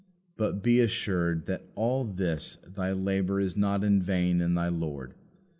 But be assured that all this thy labour is not in vain in thy Lord.